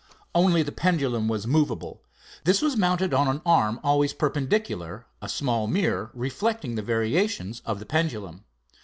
Only the pendulum was movable. This was mounted on an arm always perpendicular, a small mirror reflecting the variations of the pendulum.